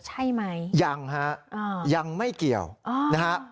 ใช่ไหมยังฮะยังไม่เกี่ยวนะฮะ